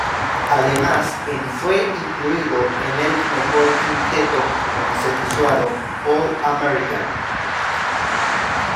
Además, en fue incluido en el mejor quinteto consensuado All-American.